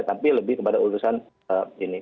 tapi lebih kepada urusan ini